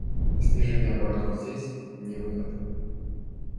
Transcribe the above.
Снижение оборотов здесь — не выход.